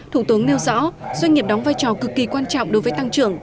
thủ tướng nêu rõ doanh nghiệp đóng vai trò cực kỳ quan trọng đối với tăng trưởng